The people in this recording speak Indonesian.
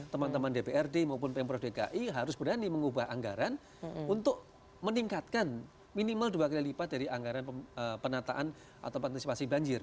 teman teman dprd maupun pemprov dki harus berani mengubah anggaran untuk meningkatkan minimal dua kali lipat dari anggaran penataan atau partisipasi banjir